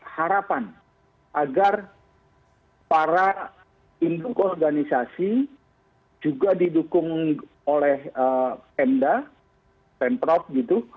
harapan agar para induk organisasi juga didukung oleh pemda pemprov gitu